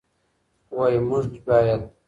وي موږ باید